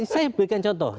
saya berikan contoh